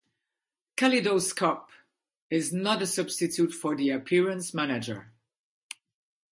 Kaleidoscope is not a substitute for the Appearance Manager.